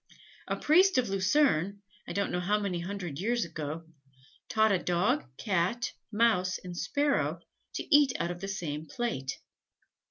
A priest of Lucerne, I don't know how many hundred years ago, taught a Dog, Cat, Mouse and Sparrow, to eat out of the same plate.